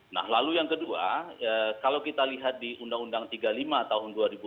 nah lalu yang kedua kalau kita lihat di undang undang tiga puluh lima tahun dua ribu dua